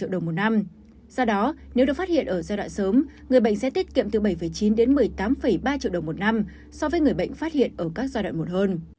do đó nếu được phát hiện ở giai đoạn sớm người bệnh sẽ tiết kiệm từ bảy chín đến một mươi tám ba triệu đồng một năm so với người bệnh phát hiện ở các giai đoạn một hơn